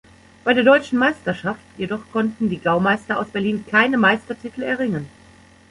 Bei der deutschen Meisterschaft jedoch konnten die Gaumeister aus Berlin keine Meistertitel erringen.